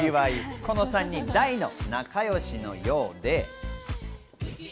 この３人、大の仲良しのようで。